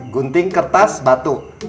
gunting kertas batu